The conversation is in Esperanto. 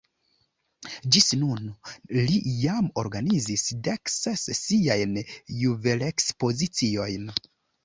Ĝis nun li jam organizis dek ses siajn juvelekspoziciojn.